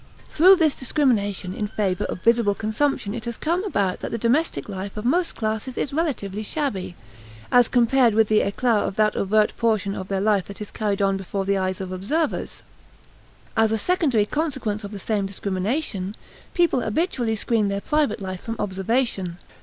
Through this discrimination in favor of visible consumption it has come about that the domestic life of most classes is relatively shabby, as compared with the éclat of that overt portion of their life that is carried on before the eyes of observers. As a secondary consequence of the same discrimination, people habitually screen their private life from observation.